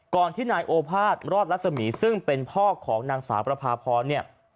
ที่นายโอภาษย์รอดรัศมีซึ่งเป็นพ่อของนางสาวประพาพรเนี่ย